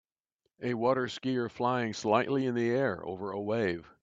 a waterskier flying slighty in the air over a wave